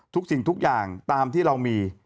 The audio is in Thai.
สิ่งทุกอย่างตามที่เรามี